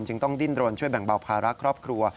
จึงต้องดิ้นรนช่วยแบ่งเบาภาระครอบครัว